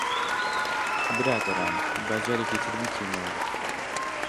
برادەران، با جارێکی تر بیکەینەوە.